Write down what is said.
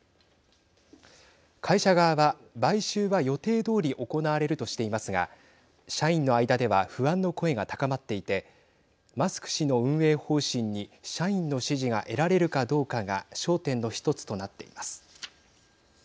会社側は、買収は予定どおり行われるとしていますが社員の間では不安の声が高まっていてマスク氏の運営方針に社員の支持が得られるかどうかが焦点の一つとなっています。